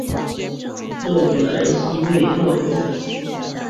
勒普莱西贝勒维尔。